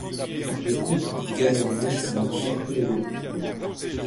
Je trouve à ces amendements un intérêt pédagogique.